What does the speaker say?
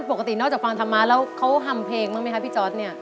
ปกตินอกจากฟังธรรมะแล้วเขาทำเพลงมากมั้ยฮะพี่จอดเนี้ย